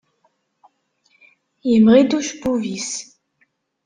Yemɣi-d ucebbub-is.